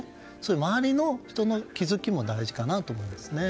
周りの人の気づきも大事かなと思います。